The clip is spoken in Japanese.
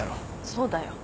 そうだよ。